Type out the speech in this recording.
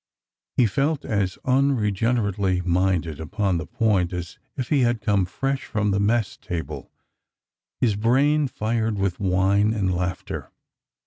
He felt as unregenerately minded upon this point as if he had come fresh from the mess table, his brain fired with wine and laughter.